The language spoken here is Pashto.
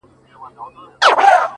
ستـا له خندا سره خبري كـوم،